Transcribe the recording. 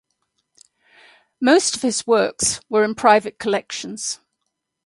Most of his works were in private collections.